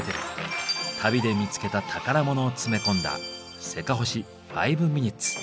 旅で見つけた宝物を詰め込んだ「せかほし５ｍｉｎ．」。